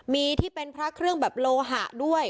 มีที่เป็นพระเครื่องแบบโลหะด้วย